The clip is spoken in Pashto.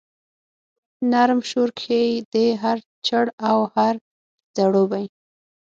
نرم شور کښي دی هر چړ او هر ځړوبی